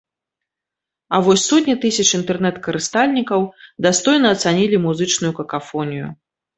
А вось сотні тысяч інтэрнэт-карыстальнікаў дастойна ацанілі музычную какафонію.